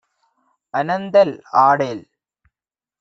அனந்தல் ஆடேல்.